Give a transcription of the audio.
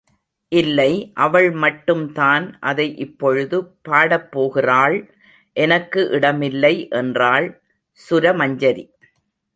இல்லை அவள் மட்டும் தான் அதை இப்பொழுது பாடப் போகிறாள் எனக்கு இடமில்லை என்றாள் சுரமஞ்சரி.